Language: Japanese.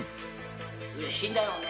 うれしいんだろうね。